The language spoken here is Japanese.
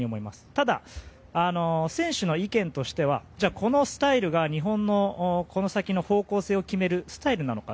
ただ、選手の意見としてはこのスタイルが日本のこの先の方向性を決めるスタイルなのか。